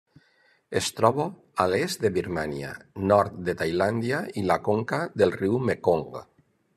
Es troba a l'est de Birmània, nord de Tailàndia i la conca del riu Mekong.